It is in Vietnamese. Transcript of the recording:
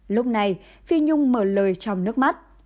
lúc này phi nhung mở lời trong nước mắt